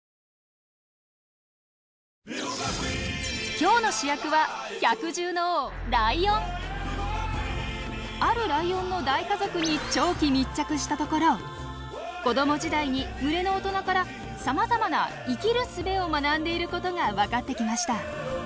今日の主役はあるライオンの大家族に長期密着したところ子ども時代に群れの大人からさまざまな生きるすべを学んでいることが分かってきました。